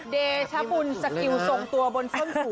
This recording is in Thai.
เดชพุนสกิลตรงตัวบนเพิ่มสู่มือ